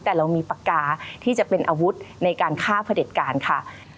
แต่เรามีปากกาที่จะเป็นอาวุธในการฆ่าพระเด็จการค่ะ